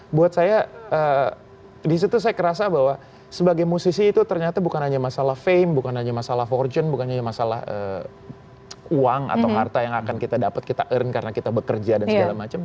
buat saya disitu saya kerasa bahwa sebagai musisi itu ternyata bukan hanya masalah fame bukan hanya masalah forget bukan hanya masalah uang atau harta yang akan kita dapat kita arin karena kita bekerja dan segala macam